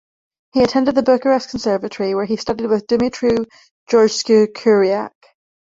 He attended the Bucharest Conservatory, where he studied with Dumitru Georgescu-Kiriac.